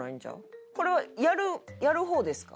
これはやる方ですか？